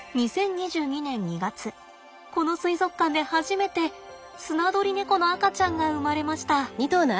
この水族館で初めてスナドリネコの赤ちゃんが生まれました。